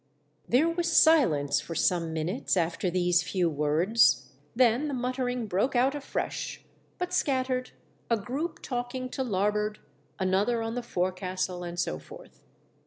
There was silence for some minutes after these few words ; then the muttering broke WE DRAW CLOSE TO A STRANGE SHIP. ^X out afresh, but scattered, a group talking to larboard, another on the forecastle, and so forth.